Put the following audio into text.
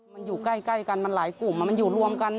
มันอยู่ใกล้กันมันหลายกลุ่มมันอยู่รวมกัน